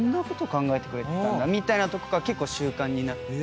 みたいなとこから結構習慣になって。